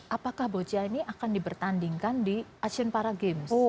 apakah boccia ini akan dibertandingkan di asian para games